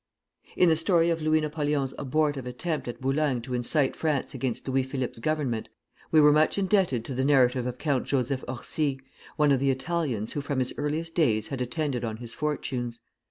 In the story of Louis Napoleon's abortive attempt at Boulogne to incite France against Louis Philippe's Government, we were much indebted to the narrative of Count Joseph Orsi, one of the Italians who from his earliest days had attended on his fortunes.